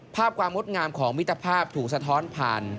ความงดงามของมิตรภาพถูกสะท้อนผ่าน